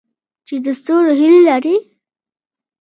چې د ستورو هیلې لري؟